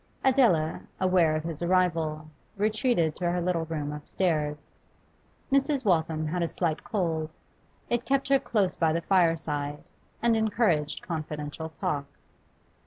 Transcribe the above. Adela, aware of his arrival, retreated to her little room upstairs. Mrs. Waltham had a slight cold; it kept her close by the fireside, and encouraged confidential talk.